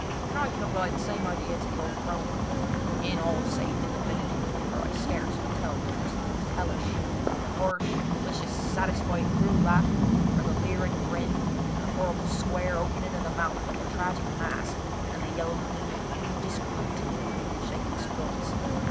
And I can apply the same idea to the old crone—in all save the divinity, for I scarce could tell which was the most hellish—the harsh, malicious, satisfied, cruel laugh, or the leering grin, and the horrible square opening of the mouth like a tragic mask, and the yellow gleam of the few discoloured teeth in the shapeless gums.